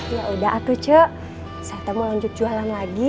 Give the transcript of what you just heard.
ya udah aku ce saya mau lanjut jualan lagi